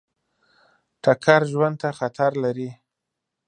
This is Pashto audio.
ټکر ژوند ته خطر لري.